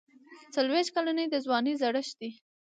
څلوېښت کلني د ځوانۍ زړښت دی.